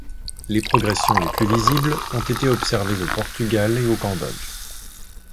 Les progressions les plus visibles ont été observées au Portugal et au Cambodge.